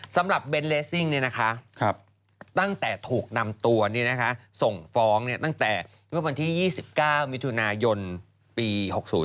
สำหรับเบนเลสซิ่งตั้งแต่ถูกนำตัวส่งฟ้องตั้งแต่เมื่อวันที่๒๙มิถุนายนปี๖๐